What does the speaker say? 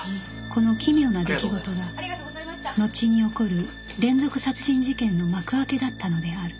この奇妙な出来事がのちに起こる連続殺人事件の幕開けだったのである